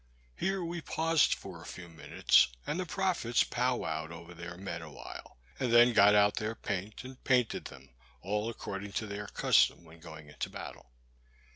Here we paused for a few minutes, and the prophets pow wowed over their men awhile, and then got out their paint, and painted them, all according to their custom when going into battle.